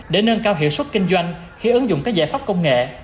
để nâng cao hiệu suất kinh doanh khi ứng dụng các giải pháp công nghệ